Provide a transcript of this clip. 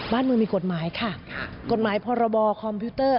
บ้านเมืองมีกฎหมายค่ะกฎหมายพรบคอมพิวเตอร์